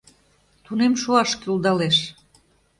Тунем шуаш кӱлдалеш...